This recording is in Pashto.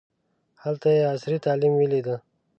هلته یې عصري تعلیم ولیده.